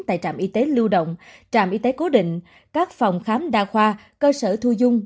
tại trạm y tế lưu động trạm y tế cố định các phòng khám đa khoa cơ sở thu dung